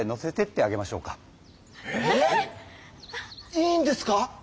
いいんですか？